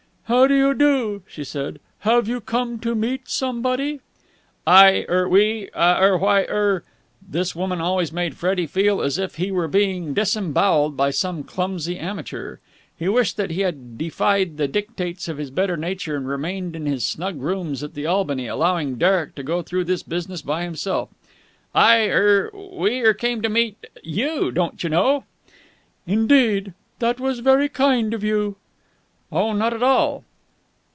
"How do you do?" she said. "Have you come to meet somebody?" "I er we er why er " This woman always made Freddie feel as if he were being disembowelled by some clumsy amateur. He wished that he had defied the dictates of his better nature and remained in his snug rooms at the Albany, allowing Derek to go through this business by himself. "I er we er came to meet you, don't you know!" "Indeed! That was very kind of you!" "Oh, not at all."